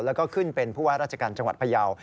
แล้วก็ขึ้นเป็นผู้ว่าราชการจังหวัดพยาว